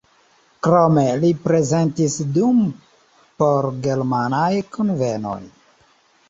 Krome li prezentis dum por-germanaj kunvenoj.